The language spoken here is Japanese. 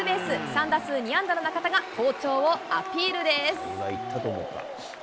３打数２安打の中田が好調をアピールです。